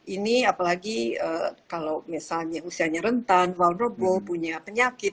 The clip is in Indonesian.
ini apalagi kalau misalnya usianya rentan vulnerable punya penyakit